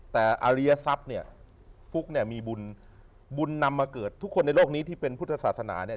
แต่อริยทรัพย์เนี่ยฟุ๊กเนี่ยมีบุญบุญนำมาเกิดทุกคนในโลกนี้ที่เป็นพุทธศาสนาเนี่ย